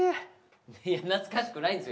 いや懐かしくないんですよ